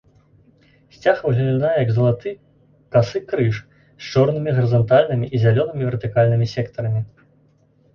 Сцяг выглядае як залаты касы крыж, з чорнымі гарызантальнымі і зялёнымі вертыкальнымі сектарамі.